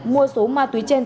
mua số ma túy chen